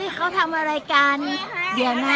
ฝ่ายหัวของมัน